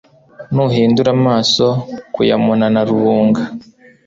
Nuhindura amaso, Ku ya Munana rubunga,